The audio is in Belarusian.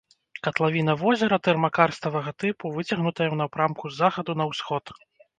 Катлавіна возера тэрмакарставага тыпу, выцягнутая ў напрамку з захаду на ўсход.